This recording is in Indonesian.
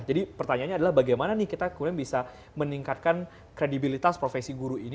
jadi pertanyaannya adalah bagaimana nih kita kemudian bisa meningkatkan kredibilitas profesi guru ini